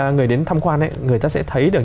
người đến thăm quan người ta sẽ thấy được